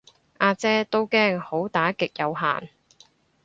呀姐都驚好打極有限